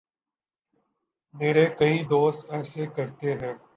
میرے کئی دوست ایسے کرتے ہیں۔